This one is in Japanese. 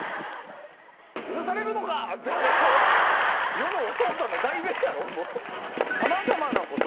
世のお父さんの代弁やろもう。